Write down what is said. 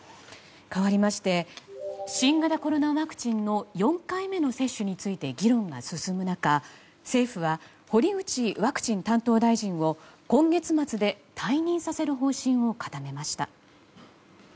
かわりまして新型コロナワクチンの４回目の接種について議論が進む中政府は堀内ワクチン担当大臣を今月末で退任させる方針を固めました。